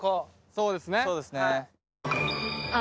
そうですね。